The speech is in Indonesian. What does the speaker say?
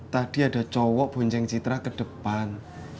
tadi ada cowok bonceng citra ke depan